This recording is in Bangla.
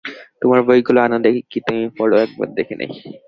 তোমার বইগুলো আনো দেখি, কী তুমি পড় একবার দেখে নিই।